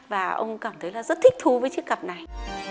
và ông cảm thấy là rất thích thú với chiếc cặp này